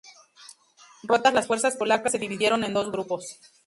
Rotas las fuerzas polacas se dividieron en dos grupos.